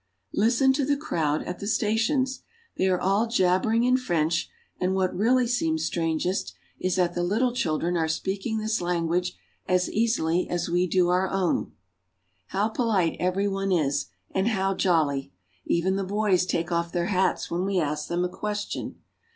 Listen to the crowd at the stations ! They are all jabber ing in French, and what really seems strangest, is that the RURAL FRANCE. 87 little children are speaking this language as easily as we do our own. How polite every one is, and how jolly ! Even the boys take off their hats when we ask them a question.